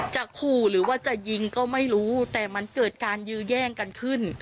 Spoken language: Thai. ขู่หรือว่าจะยิงก็ไม่รู้แต่มันเกิดการยื้อแย่งกันขึ้น